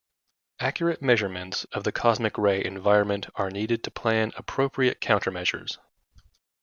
Accurate measurements of the cosmic ray environment are needed to plan appropriate countermeasures.